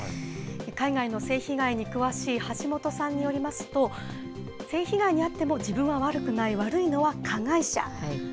海外の性被害に詳しい橋本さんによりますと、性被害に遭っても自分は悪くない、悪いのは加害者。